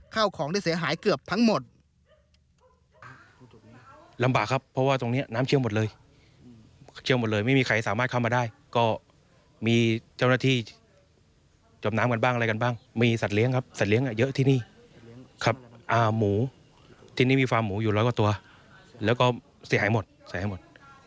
ข้าวของได้เสียหายเกือบทั้งหมด